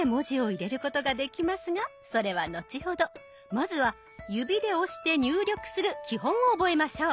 まずは指で押して入力する基本を覚えましょう。